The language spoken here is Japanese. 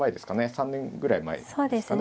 ３年ぐらい前ですかね。